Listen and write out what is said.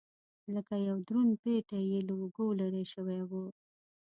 لکه یو دروند پېټی یې له اوږو لرې شوی و.